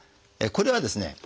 これはですね